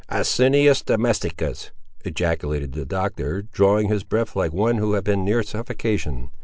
"Asinus Domesticus!" ejaculated the Doctor, drawing his breath like one who had been near suffocation.